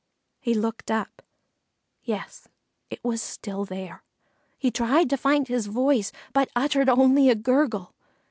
He looked up; yes, it still was there. He tried to find his voice but uttered only a gurgle.